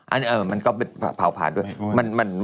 อันนี้เออมันก็เป็นภาวภาษณ์ด้วย